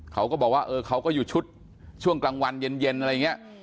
เขาก็บอกว่าเออเขาก็อยู่ชุดช่วงกลางวันเย็นอะไรอย่างนี้